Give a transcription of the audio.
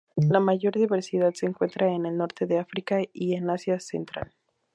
La mayor diversidad se encuentra en el norte de África y en Asia central.